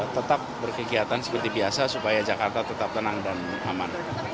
tetap berkegiatan seperti biasa supaya jakarta tetap tenang dan aman